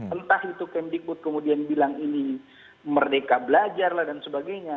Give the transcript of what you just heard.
entah itu kemdikbud kemudian bilang ini merdeka belajar lah dan sebagainya